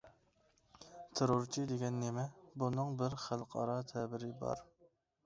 تېررورچى دېگەن نېمە؟ بۇنىڭ بىر خەلقئارا تەبىرى بار.